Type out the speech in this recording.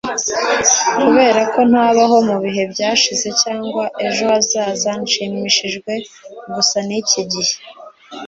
kuberako ntabaho mubihe byashize cyangwa ejo hazaza nshimishijwe gusa n'iki gihe